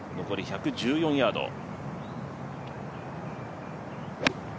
残り１１４ヤード。